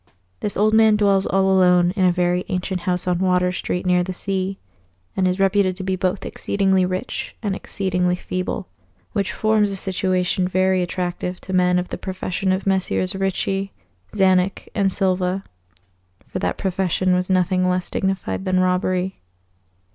This old man dwells all alone in a very ancient house on Water Street near the sea, and is reputed to be both exceedingly rich and exceedingly feeble; which forms a situation very attractive to men of the profession of Messrs. Ricci, Czanek, and Silva, for that profession was nothing less dignified than robbery.